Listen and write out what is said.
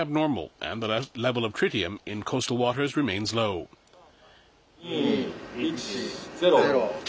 ３、２、１、０。